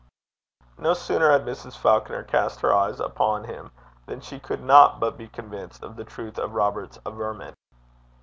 No sooner had Mrs. Falconer cast her eyes upon him than she could not but be convinced of the truth of Robert's averment.